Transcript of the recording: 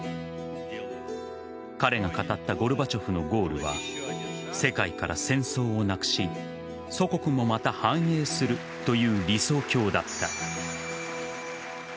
彼が語ったゴルバチョフのゴールは世界から戦争をなくし祖国もまた繁栄するという理想郷だった。